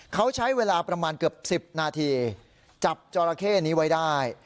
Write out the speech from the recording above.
เขาใช้เวลาประมาณเกือบ๑๐นาทีจับจอราเข้นี้ไว้ได้